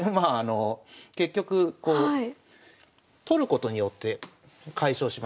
結局こう取ることによって解消しました。